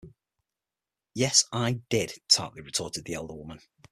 “Yes, I did,” tartly retorted the elder woman.